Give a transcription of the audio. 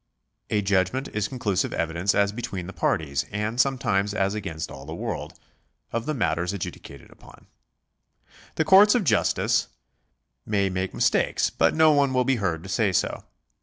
A judg ment is conclusive evidence as between the parties, and some times as against all the world, of the matters adjudicated upon. The courts of justice may make mistakes, but no one will be heard to say so.